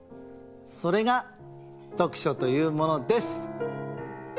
それが「どくしょ」というものです。